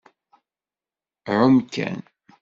Ɛum kan.